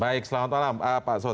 baik selamat malam pak